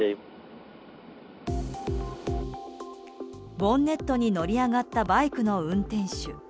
ボンネットに乗り上がったバイクの運転手。